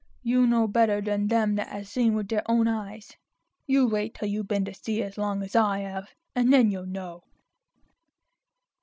You know better than them as 'as seen it with their own eyes. You wait till you've been to sea as long as I have, and you'll know."